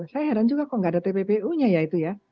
saya heran juga kok nggak ada tppu nya ya itu ya